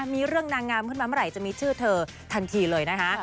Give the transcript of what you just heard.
มีเรื่องนางงามขึ้นมาเมื่อไหร่จะมีชื่อเธอทันทีเลยนะคะ